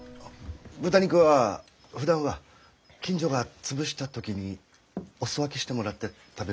豚肉はふだんは近所が潰した時にお裾分けしてもらって食べるんですけどうん。